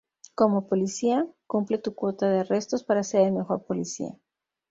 Como policía, cumple tu cuota de arrestos para ser el mejor policía.